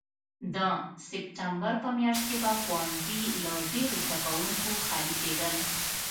د سپټمبر په میاشت کې به ښوونځي له ډېرو زده کوونکو خالي کېدل.